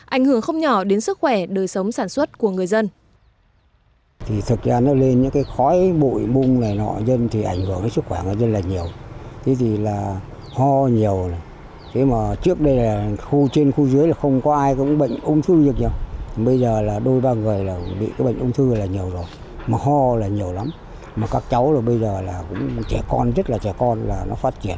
ảnh hưởng không nhỏ đến sức khỏe đời sống sản xuất của người dân